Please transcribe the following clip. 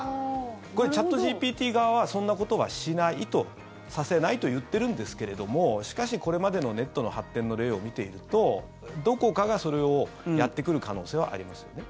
これ、チャットＧＰＴ側はそんなことはしないとさせないと言ってるんですけれどもしかし、これまでのネットの発展の例を見ているとどこかがそれをやってくる可能性はありますね。